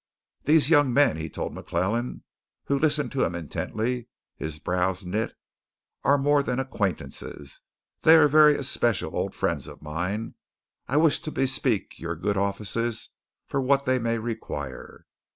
"These young men," he told McClellan, who listened to him intently, his brows knit, "are more than acquaintances, they are very especial old friends of mine. I wish to bespeak your good offices for what they may require.